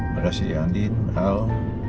makasih ya andien al